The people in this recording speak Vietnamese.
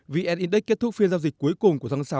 vn index kết thúc phiên giao dịch cuối cùng của tháng sáu